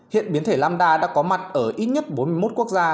hiện biến thể lamda đã có mặt ở ít nhất bốn mươi một quốc gia